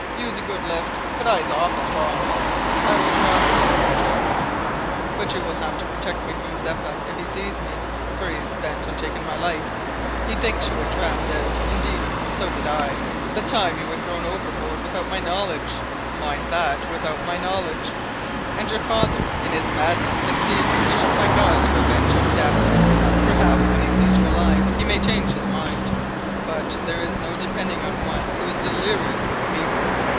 "You's a good lift, but I's awful strong." "I will try," returned Rosco, "but you will have to protect me from Zeppa if he sees me, for he is bent on taking my life. He thinks that you were drowned as, indeed, so did I the time that you were thrown overboard without my knowledge mind that, without my knowledge and your father in his madness thinks he is commissioned by God to avenge your death. Perhaps, when he sees you alive, he may change his mind, but there is no depending on one who is delirious with fever.